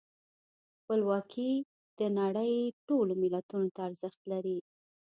خپلواکي د نړۍ ټولو ملتونو ته ارزښت لري.